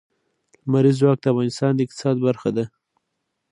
لمریز ځواک د افغانستان د اقتصاد برخه ده.